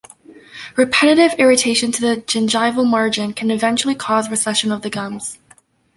Repetitive irritation to the gingival margin can eventually cause recession of the gums.